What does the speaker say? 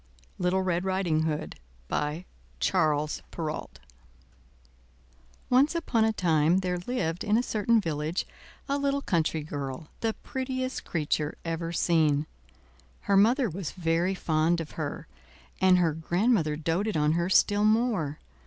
LITTLE RED RIDING HOOD By Charles Perrault Once upon a time there lived in a certain village a little country girl, the prettiest creature ever seen. Her mother was very fond of her, and her grandmother doted on her still more.